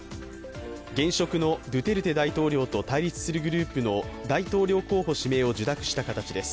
現職のドゥテルテ大統領と対立するグループの大統領候補指名を受諾した形です。